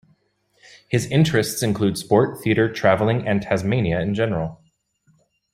His interests include sport, theatre, travelling and Tasmania in general.